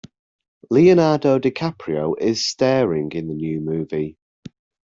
Leonardo DiCaprio is staring in the new movie.